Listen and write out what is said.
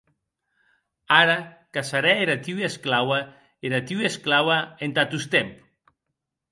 Ara que serè era tua esclaua, era tua esclaua entà tostemp.